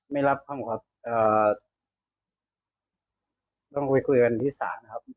ไม่รับข้อมูลครับต้องไปคุยกันที่สารนะครับ